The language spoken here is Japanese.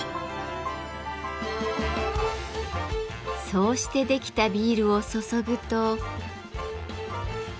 そうしてできたビールを注ぐと。